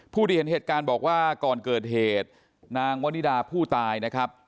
ผู้ที่เห็นเหตุการณ์บอกว่าก่อนเกิดเหตุนางวนิดาผู้ตายนะครับ